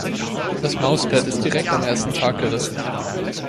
Das Mauspad ist direkt am ersten Tag gerissen.